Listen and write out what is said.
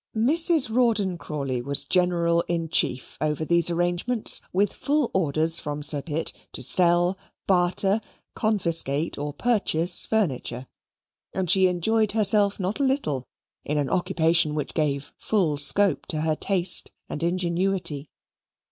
Mrs. Rawdon Crawley was general in chief over these arrangements, with full orders from Sir Pitt to sell, barter, confiscate, or purchase furniture, and she enjoyed herself not a little in an occupation which gave full scope to her taste and ingenuity.